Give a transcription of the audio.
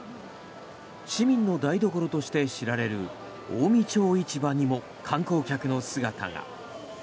市民の台所として知られる近江町市場にも観光客の姿が。